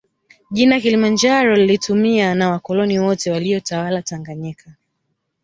Jina kilimanjaro lilitumia na wakoloni wote waliyotawala tanganyika